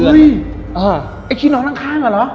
เอ้ยไอ้คิดนอนข้างหรอ